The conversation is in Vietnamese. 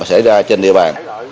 xảy ra trên địa bàn